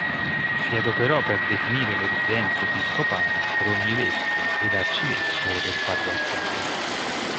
Si adoperò per definire le residenze episcopali per ogni vescovo ed arcivescovo del patriarcato.